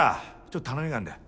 ちょっと頼みがあんだよ。